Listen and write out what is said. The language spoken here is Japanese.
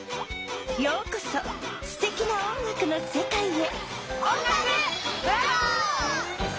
ようこそすてきな音楽のせかいへ！